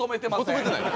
求めてない？